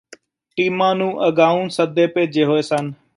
ਟੀਮਾਂ ਨੂੰ ਅਗਾਊਂ ਸੱਦੇ ਭੇਜੇ ਹੋਏ ਸਨ